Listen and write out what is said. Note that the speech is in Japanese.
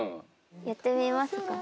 やってみますか。